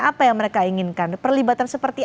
apa yang mereka inginkan perlibatan seperti